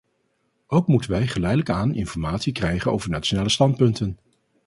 Ook moeten wij geleidelijk aan informatie krijgen over nationale standpunten.